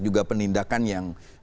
juga penindakan yang